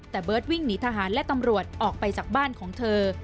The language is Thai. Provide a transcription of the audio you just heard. แต่เบิร์ตวิ่งหนีทหารและตำรวจออกไปจากบ้านของเธอ